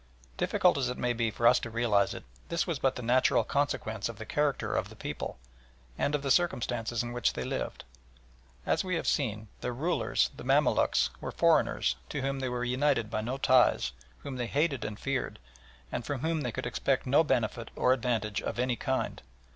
Difficult as it may be for us to realise it, this was but the natural consequence of the character of the people and of the circumstances in which they lived. As we have seen, their rulers, the Mamaluks, were foreigners, to whom they were united by no ties, whom they hated and feared, and from whom they could expect no benefit or advantage of any kind.